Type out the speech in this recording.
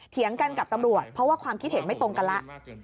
เถียงกันกับตำรวจเพราะว่าความคิดเห็นไม่ตรงกันแล้ว